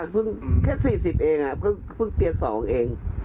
เพิ่งแค่๔๐เองก็เพิ่งเตียน๒เอง